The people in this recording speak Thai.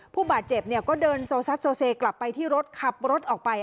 ผู้บาดเจ็บก็เดินโซซัดโซเซกลับไปที่รถขับรถออกไป